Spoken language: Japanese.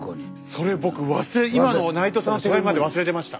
それ僕忘れ今の内藤さんの手紙まで忘れてました。